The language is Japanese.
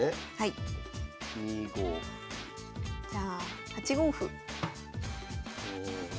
じゃあ８五歩。